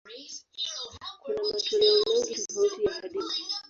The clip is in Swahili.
Kuna matoleo mengi tofauti ya hadithi.